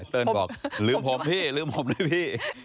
เลิ้ลบอกลืมผมพี่ลืมผมเลยพี่